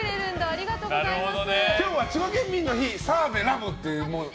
ありがとうございます。